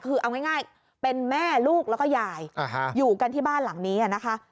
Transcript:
คือเอาง่ายเป็นแม่ลูกแล้วก็ยายอยู่กันที่บ้านหลังนี้นะคะ